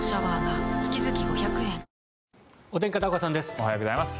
おはようございます。